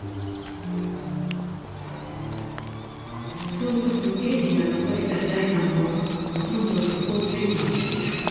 曽祖父貞次が残した財産もほとんど底をついていました。